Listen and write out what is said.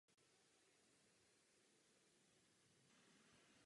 Komise se tím musí neprodleně zabývat.